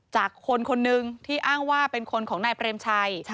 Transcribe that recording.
จากคนคนหนึ่งที่อ้างว่าเป็นคนของนายเปรมชัย